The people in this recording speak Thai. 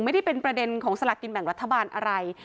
ไม่ได้เป็นประเด็นของสลักกินแบ่งรัฐบาลอะไร